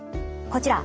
こちら。